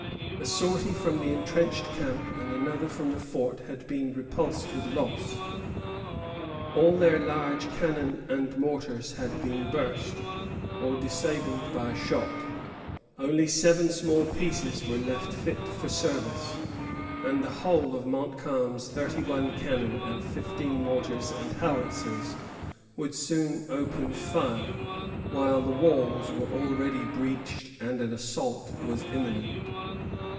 A sortie from the entrenched camp and another from the fort had been repulsed with loss. All their large cannon and mortars had been burst, or disabled by shot; only seven small pieces were left fit for service; and the whole of Montcalm's thirty one cannon and fifteen mortars and howitzers would soon open fire, while the walls were already breached, and an assault was imminent.